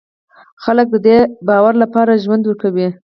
خلک د دې باور لپاره ژوند ورکوي.